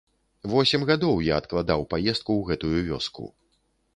Восем гадоў я адкладаў паездку ў гэтую вёску.